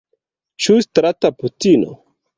Ĉu strata putino?